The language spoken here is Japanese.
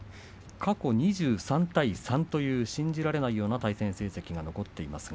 過去２３対３という信じられないような成績が残っています。